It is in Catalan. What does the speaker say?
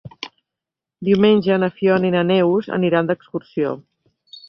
Diumenge na Fiona i na Neus aniran d'excursió.